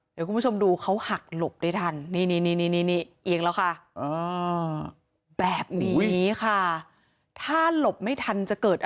เดี๋ยวคุณผู้ชมดูเค้าหักหลบได้ทัน